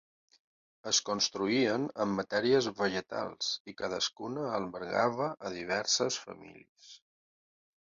Es construïen amb matèries vegetals i cadascuna albergava a diverses famílies.